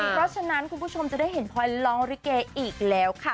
เพราะฉะนั้นคุณผู้ชมจะได้เห็นพลอยร้องริเกย์อีกแล้วค่ะ